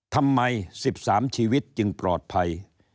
ทำไม๑๓ชีวิตจึงปลอดภัย